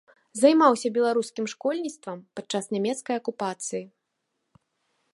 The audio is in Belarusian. Займаўся беларускім школьніцтвам падчас нямецкай акупацыі.